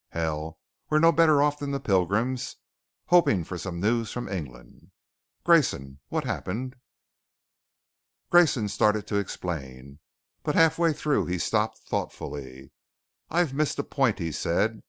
"Hell! We're no better off than the Pilgrims, hoping for some news from England. Grayson, what happened?" Grayson started to explain, but half way through he stopped thoughtfully. "I've missed a point," he said.